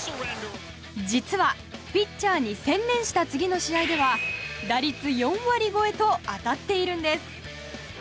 実は、ピッチャーに専念した次の試合では打率４割超えと当たっているんです。